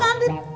aduh kak andi